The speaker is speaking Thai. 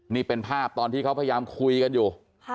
นี่เป็นภาพตอนที่เขาพยายามคุยกันอยู่